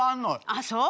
あっそう。